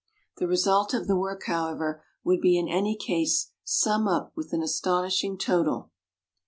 The result of the work, however, would in any case sum up with an astonishing total.